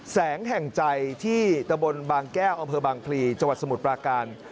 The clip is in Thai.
แสงแห่งใจที่ตะบนบางแก้วอำเภอบางพลีจังหวัดสมุทรปราการ